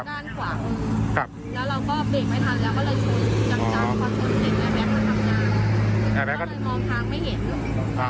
พอชนเห็นแอร์แบ็คมาทำงาน